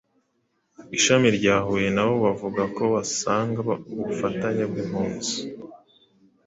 ishami rya Huye nabo bavuga ko basanga ubufatanye bw’impunzi ,